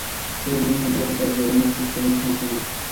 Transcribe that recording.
পুরোপুরি নিঃসন্দেহ হতে চাই যে, ওর মস্তিকে কোনো সমস্যা নেই।